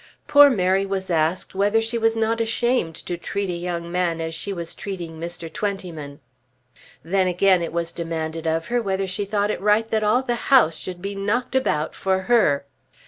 Poor Mary was asked whether she was not ashamed to treat a young man as she was treating Mr. Twentyman. Then again it was demanded of her whether she thought it right that all the house should be knocked about for her.